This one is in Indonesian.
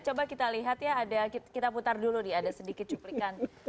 coba kita lihat ya ada kita putar dulu nih ada sedikit cuplikan